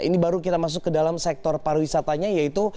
ini baru kita masuk ke dalam sektor pariwisatanya yaitu